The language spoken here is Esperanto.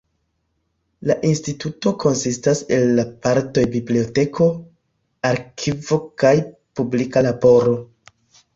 La instituto konsistas el la partoj biblioteko, arkivo kaj publika laboro.